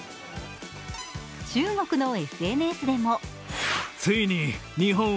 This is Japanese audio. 中国のＳＮＳでも。